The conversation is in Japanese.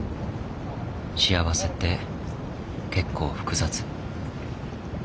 幸せって結構複雑。